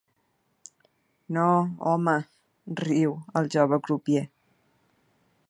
No, home —riu—, el jove crupier.